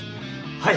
はい。